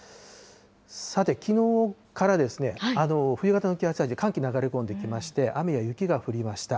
さて、きのうから、冬型の気圧配置で寒気流れ込んできまして、雨や雪が降りました。